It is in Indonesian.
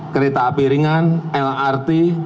kereta api ringan lrt